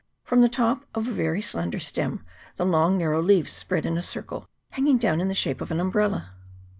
From the top of a very slender stem the long narrow leaves spread in a circle, hanging down in the shape of an umbrella.